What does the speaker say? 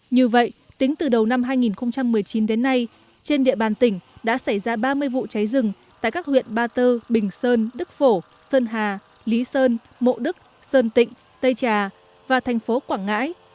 như vậy tính từ đầu năm hai nghìn một mươi chín đến nay trên địa bàn tỉnh đã xảy ra ba mươi vụ cháy rừng tại các huyện ba tơ bình sơn đức phổ sơn hà lý sơn mộ đức sơn tịnh tây trà và thành phố quảng ngãi